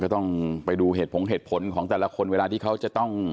ต้องไปดูเหตุผลเหตุผลของแต่ละคนเวลาที่เขาจะต้อง